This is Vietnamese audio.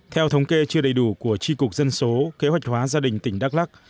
theo thống kê chưa đầy đủ của tri cục dân số kế hoạch hóa gia đình tỉnh đắk lắc